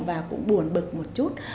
và cũng buồn bực một chút